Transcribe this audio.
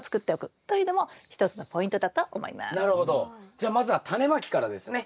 じゃあまずはタネまきからですね。